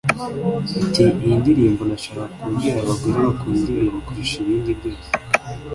Ati “Iyi ndirimbo nashakaga kubwira abagore bakunda ibintu kurusha ibindi byose